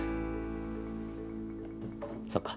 そうか。